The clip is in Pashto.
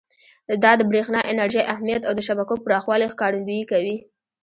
دا د برېښنا انرژۍ اهمیت او د شبکو پراخوالي ښکارندویي کوي.